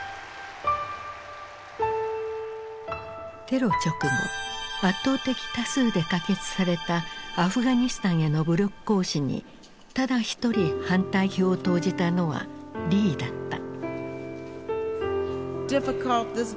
テロ直後圧倒的多数で可決されたアフガニスタンへの武力行使にただ一人反対票を投じたのはリーだった。